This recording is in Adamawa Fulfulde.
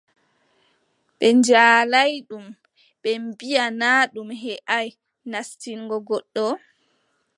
Ɓe njaalaay ɗum ɓe mbiʼa naa ɗum heʼaay nastingo goɗɗo.